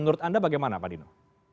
menurut anda bagaimana pak dino